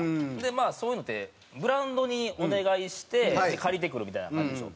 そういうのってブランドにお願いして借りてくるみたいな感じでしょ？